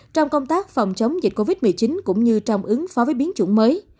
trong công tác phòng chống dịch covid một mươi chín cũng như trong ứng phó với biến chủng mới